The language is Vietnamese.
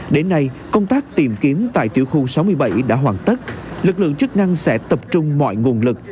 đến nay công tác tìm kiếm tại tiểu khu sáu mươi bảy đã hoàn tất lực lượng chức năng sẽ tập trung mọi nguồn lực